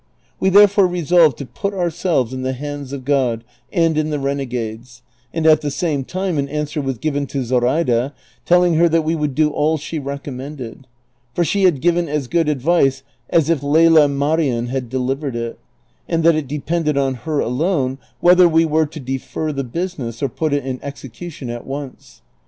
We therefore resolved to put ourselves in the hands of God and in the renegade's ; and at the same time an answer was given to Zoraida, telling her that we would do all she recom mended, for she had given as good advice as if Lela Marien had delivered it, and that it depended on her alone whether we were to defer the business or put it in execution at once.